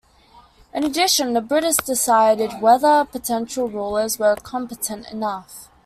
In addition, the British decided whether potential rulers were competent enough.